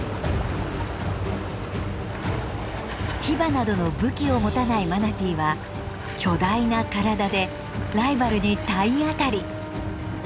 牙などの武器を持たないマナティーは巨大な体でライバルに体当たり。